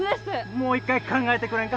もう一回考えてくれんか？